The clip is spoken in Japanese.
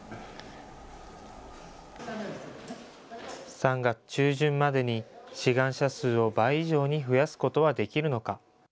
３月中旬までに志願者数を倍以上に増やすことはできるのか。